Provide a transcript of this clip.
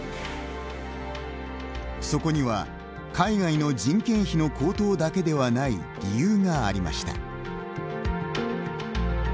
そこには、海外の人件費の高騰だけではない理由がありました。